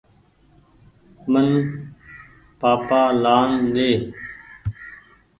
مين پآپآ لآن ۮي۔